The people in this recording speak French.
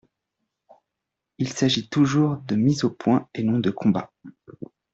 Il s'agit toujours de mise au point et non de combat.